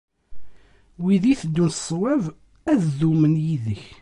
Wid itteddun s ṣṣwab, ad dumen yid-k.